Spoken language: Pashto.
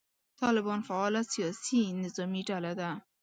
طالبان فعاله سیاسي نظامي ډله ده.